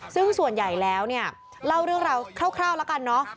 ซึ่งส่วนใหญ่แล้วเนี่ยเล่าเรื่องราวคร่าวแล้วกันเนอะ